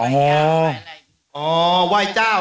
อ๋อไหว้เจ้า